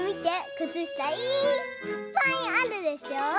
くつしたいっぱいあるでしょ。